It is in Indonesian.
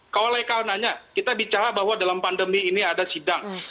kau oleh karenanya kita bicara bahwa dalam pandemi ini ada sidang